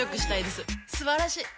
すばらしい！